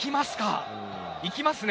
行きますね。